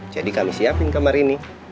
jadi kami siapin kamar ini